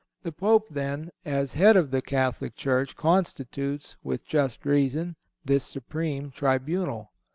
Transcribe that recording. The Pope, then, as Head of the Catholic Church, constitutes, with just reason, this supreme tribunal.